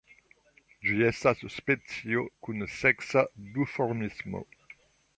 Ĝi estas specio kun seksa duformismo.